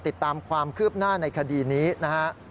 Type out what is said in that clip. ติดตามความคืบหน้าในคดีนี้นะฮะ